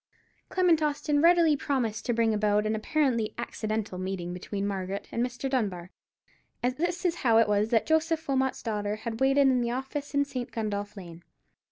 Clement Austin readily promised to bring about an apparently accidental meeting between Margaret and Mr. Dunbar, and this is how it was that Joseph Wilmot's daughter had waited in the office in St. Gundolph Lane.